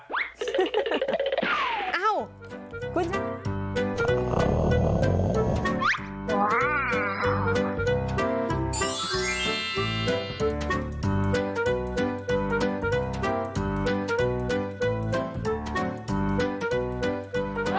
นี่คือหน้าตาของเจ้าตัวกินมดนะครับ